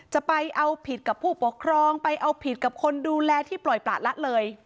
จะเอาผิดกับผู้ปกครองไปเอาผิดกับคนดูแลที่ปล่อยประละเลย